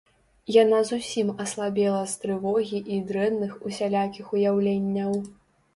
Яна зусім аслабела з трывогі і дрэнных усялякіх уяўленняў.